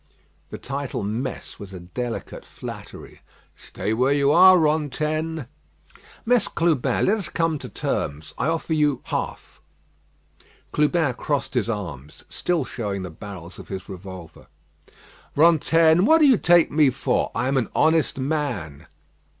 The title "Mess" was a delicate flattery. "Stay where you are, Rantaine." "Mess Clubin, let us come to terms. I offer you half." Clubin crossed his arms, still showing the barrels of his revolver. "Rantaine, what do you take me for? I am an honest man."